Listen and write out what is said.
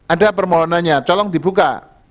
ada permohonannya tolong dibuka